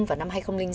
vào năm hai nghìn sáu